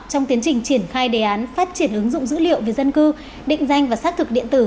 trong tiến trình triển khai đề án phát triển ứng dụng dữ liệu về dân cư định danh và xác thực điện tử